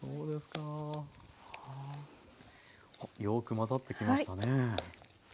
よく混ざってきましたね。